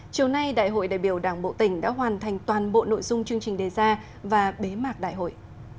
chiều nay đại hội đại biểu đảng bộ tỉnh đã hoàn thành toàn bộ nội dung chương trình đề ra và bế mạc đại hội